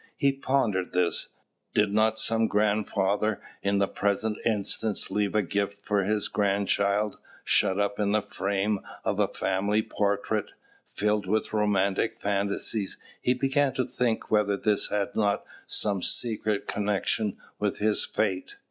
He pondered this: "Did not some grandfather, in the present instance, leave a gift for his grandchild, shut up in the frame of a family portrait?" Filled with romantic fancies, he began to think whether this had not some secret connection with his fate?